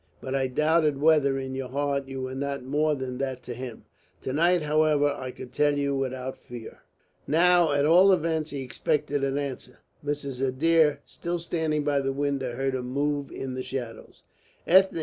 But I doubted whether in your heart you were not more than that to him. To night, however, I could tell you without fear." Now at all events he expected an answer. Mrs. Adair, still standing by the window, heard him move in the shadows. "Ethne!"